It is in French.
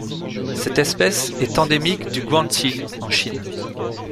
Cette espèce est endémique du Guangxi en Chine.